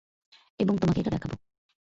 এবং, তোমাকে এটা দেখাব!